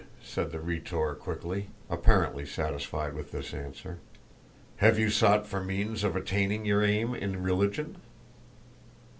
said the Rhetor quickly, apparently satisfied with this answer. "Have you sought for means of attaining your aim in religion?"